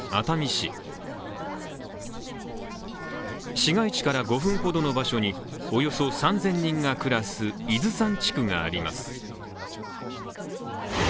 市街地から５分ほどの場所におよそ３０００人が暮らす、伊豆山地区があります。